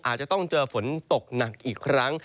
อาจจะต้องเจอฝนตกหนักอีกครั้ง